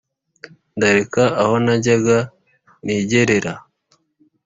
ndareka aho najyaga nigerera,